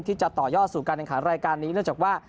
ที่จะต่อยอดสู่การแข่งขันรายการนี้เนื่องจากว่า